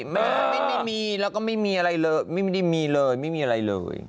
ไม่มีแล้วก็ไม่มีอะไรเลยไม่ได้มีเลยไม่มีอะไรเลย